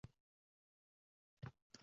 – har qanday lahzada uzilib tushishi mumkin